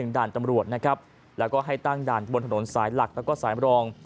๑ด่านตำรวจและให้ตั้งด่านบนถนนสายหลักและสายลอง